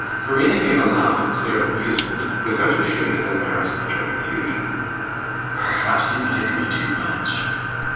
Verena gave a laugh of clear amusement, without a shade of embarrassment or confusion. "Perhaps you like me too much."